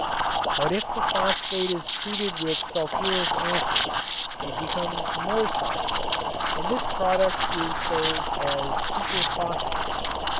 But if the phosphate is treated with sulfuric acid it becomes more soluble and this product is sold as "superphosphate."